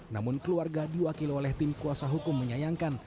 namun keluarga diwakili oleh tim kuasa hukum menyayangkan